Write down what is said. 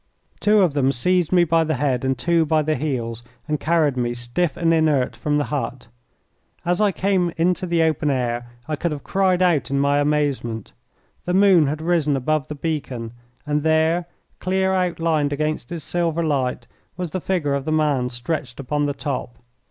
Two of them seized me by the head and two by the heels, and carried me, stiff and inert, from the hut. As I came into the open air I could have cried out in my amazement. The moon had risen above the beacon, and there, clear outlined against its silver light, was the figure of the man stretched upon the top.